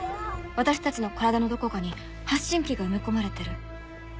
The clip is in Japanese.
私たちの体のどこかに発信器が埋め込まれてる？